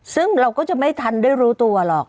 ซึ่งเราก็จะไม่ทันได้รู้ตัวหรอก